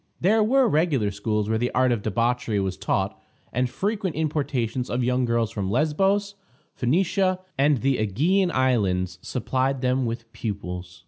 There were regular schools where the art of debauchery was taught, and frequent importations of young girls from Lesbos, Phoenicia, and the Ægean Islands supplied them with pupils.